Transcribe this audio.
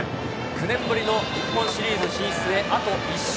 ９年ぶりの日本シリーズ進出へあと１勝。